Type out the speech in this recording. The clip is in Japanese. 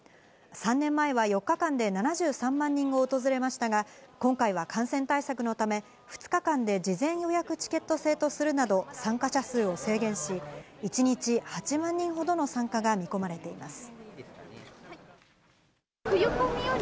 ３年前は、４日間で７３万人が訪れましたが、今回は感染対策のため、２日間で事前予約チケット制とするなど、参加者数を制限し、１日８万人ほどの参加が見込まれています。